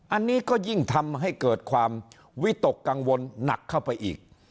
อันนี้ก็ยิ่งทำให้เกิดความวิตกกังวลหนักเข้าไปอีก